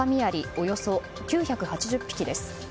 およそ９８０匹です。